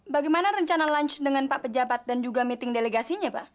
bagaimana rencana perjanjian dengan pak pejabat dan juga persiapan delegasinya kak